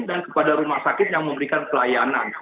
dan kepada rumah sakit yang memberikan pelayanan